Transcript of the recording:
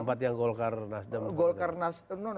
tempat mana tempat yang golkar nasdem